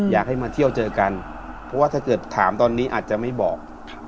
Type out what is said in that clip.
อยากให้มาเที่ยวเจอกันเพราะว่าถ้าเกิดถามตอนนี้อาจจะไม่บอก